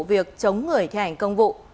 việc chống người thi hành công vụ